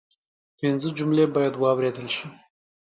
پنځه جملې باید واوریدل شي